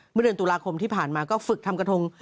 เมื่อเดือนตุลาคมที่ผ่านมาก็ฝึกทำกระทง